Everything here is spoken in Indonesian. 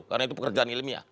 karena itu pekerjaan ilmiah